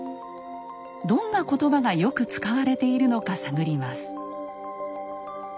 どんな言葉がよく使われているのか探ります。